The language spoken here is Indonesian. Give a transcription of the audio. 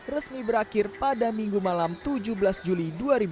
resmi berakhir pada minggu malam tujuh belas juli dua ribu dua puluh